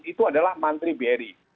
itu adalah mantri bri